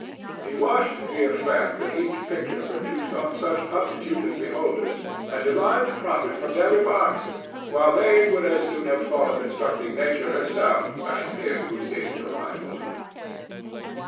He watched the effect that each picture produced on such untutored beholders, and derived profit from their remarks, while they would as soon have thought of instructing Nature herself as him who seemed to rival her.